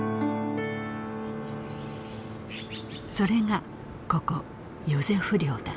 それがここヨゼフ寮だ。